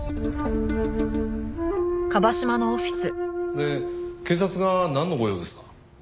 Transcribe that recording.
で警察がなんのご用ですか？